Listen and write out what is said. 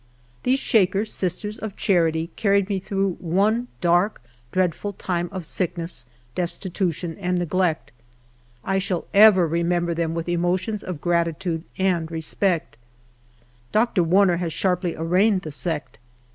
These Sliaker Sisters of Charity carried me through one dark, dreadful time of sickness, destitution, and neglect. I shall ever remember them with emotions of gratitude and respect. Dr. Warner has sharply arraigned the sect.